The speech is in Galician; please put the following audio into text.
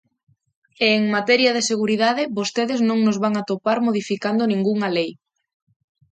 E en materia de seguridade, vostedes non nos van atopar modificando ningunha lei.